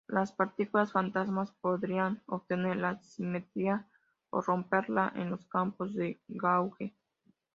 Las partículas fantasmas podrían obtener la simetría o romperla en los campos de gauge.